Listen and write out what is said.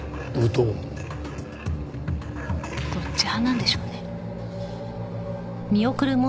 どっち派なんでしょうね？